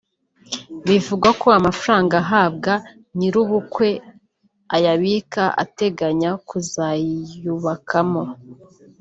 Bivugwa ko amafaranga ahabwa nyir’ubukwe ayabika ateganya kuzayiyubakamo